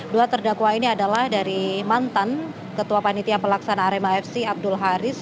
dua terdakwa ini adalah dari mantan ketua panitia pelaksana arema fc abdul haris